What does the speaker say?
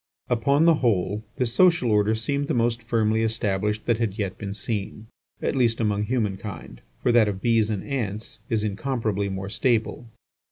Upon the whole, this social order seemed the most firmly established that had yet been seen, at least among kind, for that of bees and ants is incomparably more stable.